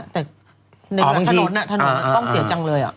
แต่ในถนนถนนต้องเสียจังเลย